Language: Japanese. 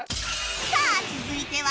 さあ続いては